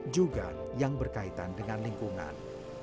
juga yang berkaitan dengan lingkungan